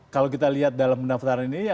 kalau kita lihat dalam pendaftaran ini